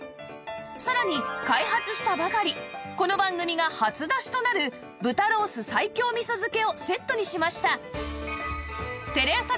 さらに開発したばかりこの番組が初出しとなる豚ロース西京味噌漬けをセットにしました